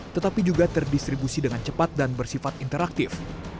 tetapi juga terdistribusi dengan cepat dan bersifat interaktif